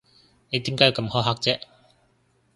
你點解要咁苛刻啫？